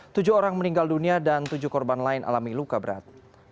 tujuh orang meninggal dunia dan tujuh korban lain alami luka berat